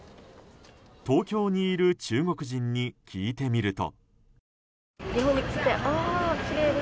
東京にいる中国人に聞いてみると。